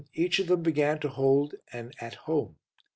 each of them began to hold an At Home.